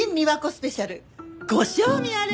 スペシャルご賞味あれ！